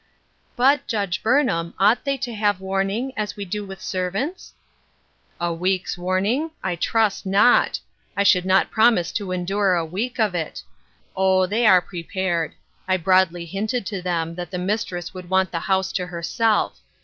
"But, Judge Burnham, ought they to have warning, as we do with servants ?"" A week's warning ? I trust not I I should not promise to endure a week of it. Oh, they are prepared. I broadly hinted to them that the mistress would want the house to herself.